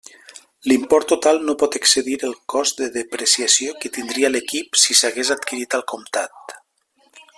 L'import total no pot excedir el cost de depreciació que tindria l'equip si s'hagués adquirit al comptat.